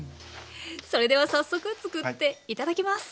それでは早速作って頂きます。